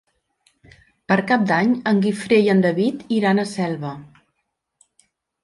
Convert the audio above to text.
Per Cap d'Any en Guifré i en David iran a Selva.